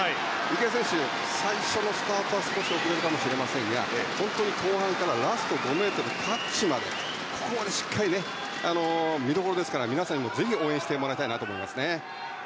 池江選手、最初のスタートは少し遅れるかもしれませんが本当に後半からラスト５ｍタッチまでここまでしっかり見どころですから皆さんにもぜひ応援してもらいたいと思います。